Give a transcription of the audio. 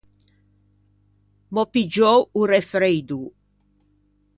M’ò piggiou o refreidô.